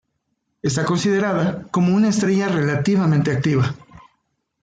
Está considerada como una estrella relativamente activa.